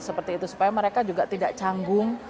seperti itu supaya mereka juga tidak canggung